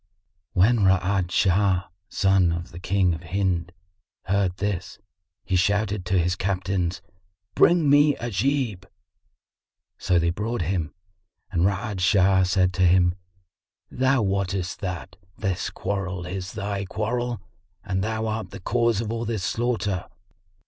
When Ra'ad Shah, son of the King of Hind, heard this, he shouted to his captains, "Bring me Ajib." So they brought him and Ra'ad Shah said to him, "Thou wottest that this quarrel is thy quarrel and thou art the cause of all this slaughter.